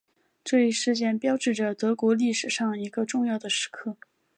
这一事件标志着德国历史上一个重要的时刻。